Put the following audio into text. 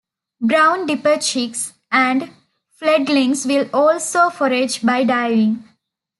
Brown dipper chicks and fledglings will also forage by diving.